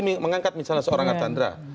mengangkat misalnya seorang arkanra